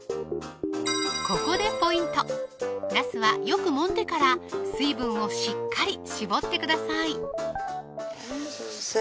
ここでポイントなすはよくもんでから水分をしっかり絞ってください先生